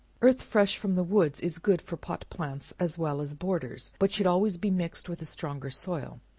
Earth fresh from the woods is good for pot plants, as well as borders, but should always be mixed with a stronger soil.